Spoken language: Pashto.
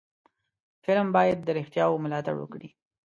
فلم باید د رښتیاو ملاتړ وکړي